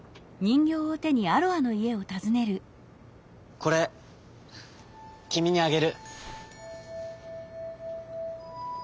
「これきみにあげる！」。